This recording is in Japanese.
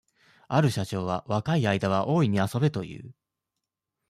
ある社長は、若い間はおおいに遊べという。